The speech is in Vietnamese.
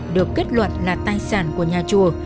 được kết luận là tài sản của nhà chùa